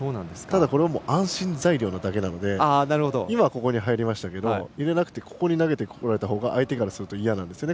これは安心材料なだけなので今ここに入りましたけどここに投げられたほうが相手からするといやなんですよね。